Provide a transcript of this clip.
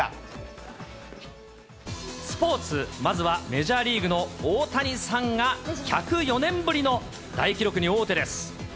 スポーツ、まずはメジャーリーグの大谷さんが１０４年ぶりの大記録に王手です。